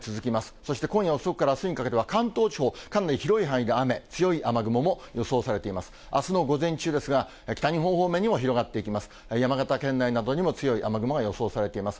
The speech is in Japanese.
そして今夜遅くからあすにかけては関東地方、かなり広い範囲で雨、強い雨雲も予想されています。